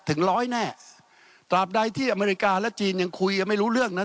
ถึงร้อยแน่ตราบใดที่อเมริกาและจีนยังคุยกันไม่รู้เรื่องนั้น